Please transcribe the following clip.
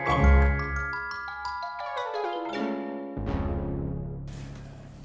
kebangetan lo sama gue